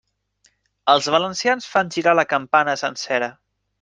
Els valencians fan girar la campana sencera.